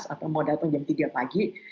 atau mau datang jam tiga pagi